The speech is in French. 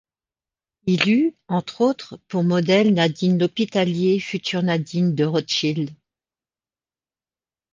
Il eut, entre autres, pour modèle Nadine Lhopitalier, future Nadine de Rothschild.